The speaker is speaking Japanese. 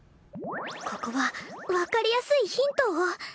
ここはわかりやすいヒントを